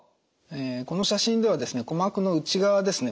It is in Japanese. この写真では鼓膜の内側ですね